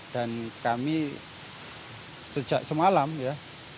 dan kami sejak semalam ya